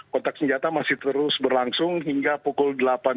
kontak senjata masih terus berlangsung hingga pukul delapan tiga puluh